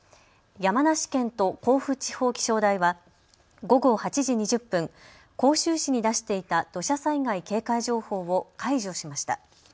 山梨県と甲府地方気象台は午後８時２０分、甲州市に出していた土砂災害警戒情報を解除しました。